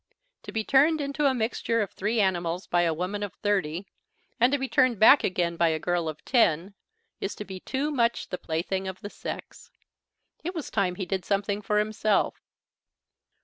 To be turned into a mixture of three animals by a woman of thirty, and to be turned back again by a girl of ten, is to be too much the plaything of the sex. It was time he did something for himself.